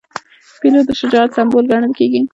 پیلوټ د شجاعت سمبول ګڼل کېږي.